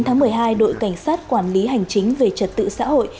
ngày một mươi hai đội cảnh sát quản lý hành chính về trật tự xã hội